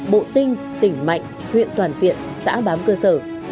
bộ tinh tỉnh mạnh huyện toàn diện xã bám cơ sở